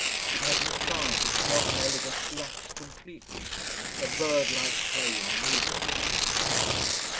It has a charm which modern elegance lacks completely a bird like play in movement.